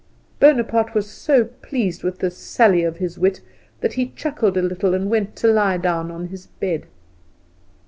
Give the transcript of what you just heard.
Bonaparte was so pleased with this sally of his wit that he chuckled a little and went to lie down on his bed.